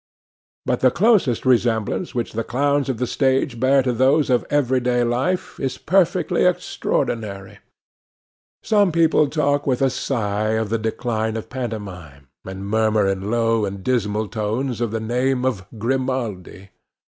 But the close resemblance which the clowns of the stage bear to those of every day life is perfectly extraordinary. Some people talk with a sigh of the decline of pantomime, and murmur in low and dismal tones the name of Grimaldi.